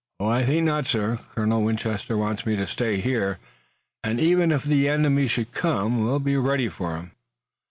"I think not, sir. Colonel Winchester wants me to stay here, and, even if the enemy should come, we'll be ready for him."